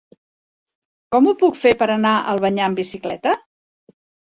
Com ho puc fer per anar a Albanyà amb bicicleta?